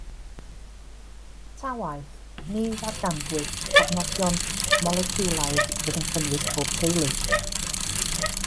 Ta waeth, ni ddarganfuwyd llofnodion moleciwlaidd oedd yn cynnwys pob teulu.